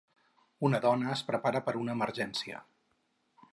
Una dona es prepara per a una emergència.